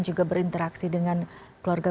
juga berinteraksi dengan keluarga